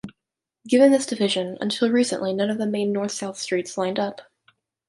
Given this division, until recently none of the main north-south streets lined up.